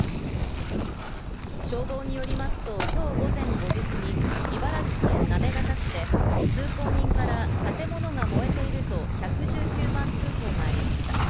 消防によりますと今日午前５時すぎ、茨城県行方市で通行人から建物が燃えていると１１９番通報がありました。